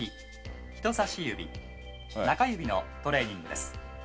人さし指中指のトレーニングです」